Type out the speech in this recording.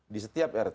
di setiap rt